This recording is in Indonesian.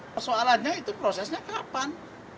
persoalannya itu prosesnya kapan